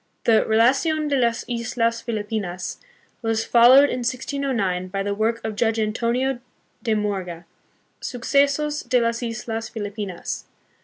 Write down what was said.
The Relacidn de las Islas Filipinos was followed in 1609 by the work of Judge Antonio de Morga, Sucesos de las Islas Filipinas.